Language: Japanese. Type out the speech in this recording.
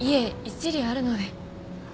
一理あるので。